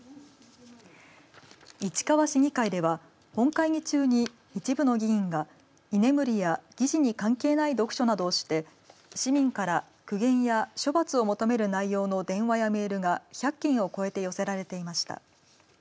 市川市議会では本会議中に一部の議員が居眠りや議事に関係ない読書などをして市民から苦言や処罰を求める内容の電話やメールが１００件を超えて寄せられていました。